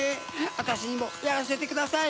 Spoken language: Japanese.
あたしにもやらせてください。